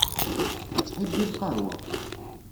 Tettḥibbi lqahwa.